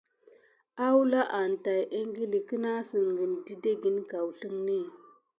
Awula an tät ikili kena sikina didé kaouzeni.